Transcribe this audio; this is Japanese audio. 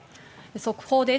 速報です。